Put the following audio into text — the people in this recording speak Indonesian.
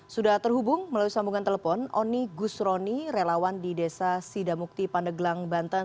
sudah terhubung melalui sambungan telepon oni gusroni relawan di desa sidamukti pandeglang banten